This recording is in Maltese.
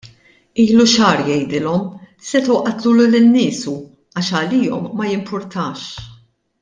Ilu xahar jgħidilhom, setgħu qatlulu lil niesu għax għalihom ma jimpurtax.